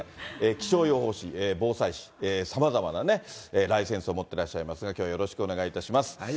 気象予報士、防災士、さまざまなライセンスをお持ちでいらっしゃいますが、きょう、よお願いします。